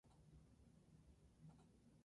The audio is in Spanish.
Esta disminución no es solamente sino global.